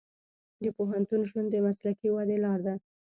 د پوهنتون ژوند د مسلکي ودې لار ده.